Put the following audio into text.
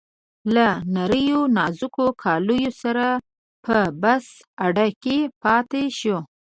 له نریو نازکو کالیو سره په بس اډه کې پاتې شو.